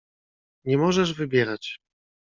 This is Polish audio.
"Nie możesz wybierać."